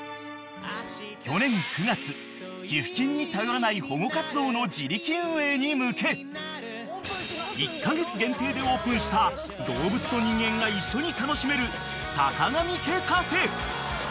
［去年９月寄付金に頼らない保護活動の自力運営に向け１カ月限定でオープンした動物と人間が一緒に楽しめるさかがみ家カフェ］